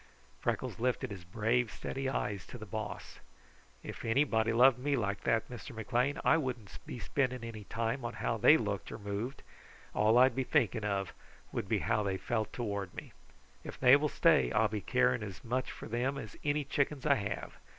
Freckles lifted his brave, steady eyes to the Boss. "If anybody loved me like that, Mr. McLean, I wouldn't be spending any time on how they looked or moved. All I'd be thinking of would be how they felt toward me. If they will stay, I'll be caring as much for them as any chickens I have.